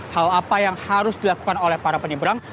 hal apa yang harus dilakukan oleh para penyeberang